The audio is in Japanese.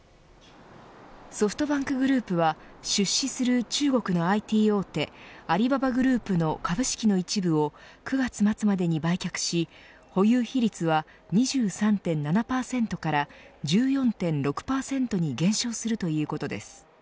ソフトバンクグループは出資する中国のＩＴ大手アリババグループの株式の一部を９月末までに売却し保有比率は２３．７％から１４．６％に減少するということです。